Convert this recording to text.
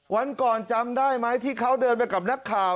วันก่อนจำได้ไหมที่เขาเดินไปกับนักข่าว